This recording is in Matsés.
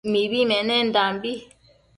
Mibi menendanbi